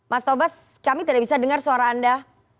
mas tobas kami tidak bisa dengar suara anda